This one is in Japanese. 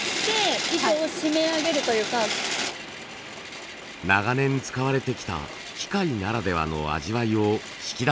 長年使われてきた機械ならではの味わいを引き出すんだそう。